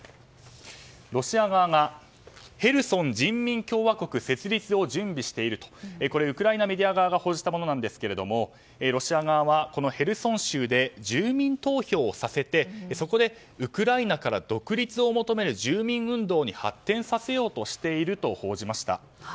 ロシア側がヘルソン人民共和国設立を準備しているとウクライナメディア側が報じたものなんですけれどもロシア側はヘルソン州で住民投票をさせて、そこでウクライナから独立を求める住民運動に発展させようとしていると報じました。